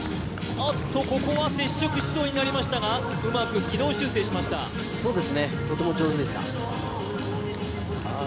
あっとここは接触しそうになりましたがうまく軌道修正しましたそうですねとても上手でしたああ